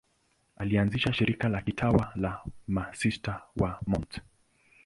Alianzisha shirika la kitawa la Masista wa Mt.